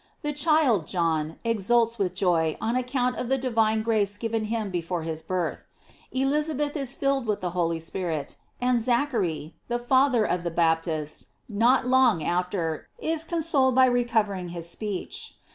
The child, John, exults with joy on account of the divine grace given him before his birth;* Elizabeth is filled with the Holy Spirit, and Zachary, the Fa ther of the Baptist, not long af t er, is consoled by recovering his speech.